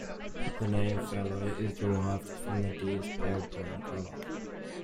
The name fallow is derived from the deer's pale brown color.